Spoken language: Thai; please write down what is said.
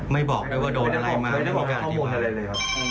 ไม่บอกเลยว่าโดนอะไรมาไม่ได้มีการที่บอก